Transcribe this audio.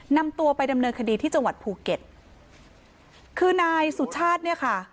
นำตัวไปดำเนินคดีที่จังหวัดภูเก็ตคือนายสุชาติเนี่ยค่ะ